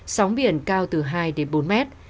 sóng biển cao từ hai đến bốn mét